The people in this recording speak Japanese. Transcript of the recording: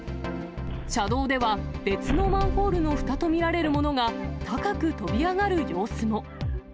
車道では、別のマンホールのふたと見られるものが高く飛び上がる様子も。